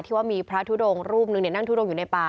ว่ามีพระทุดงรูปหนึ่งนั่งทุดงอยู่ในป่า